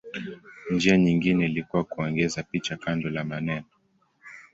Njia nyingine ilikuwa kuongeza picha kando la maneno.